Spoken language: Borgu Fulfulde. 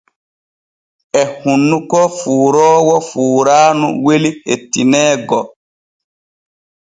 E hunnuko fuuroowo fuuraanu weli hettineego.